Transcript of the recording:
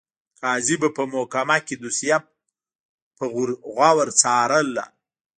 قاضي به په محکمه کې دوسیه په غور څارله.